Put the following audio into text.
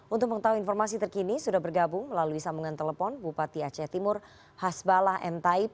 untuk mengetahui informasi terkini sudah bergabung melalui sambungan telepon bupati aceh timur hasbalah m taib